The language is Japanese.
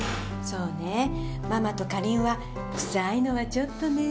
そうね、ママとカリンは臭いのはちょっとね。